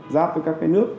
giáp với các cái nước